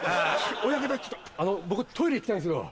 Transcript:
親方ちょっと僕トイレ行きたいんですけど。